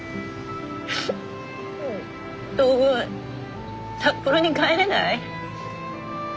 当分札幌に帰れない？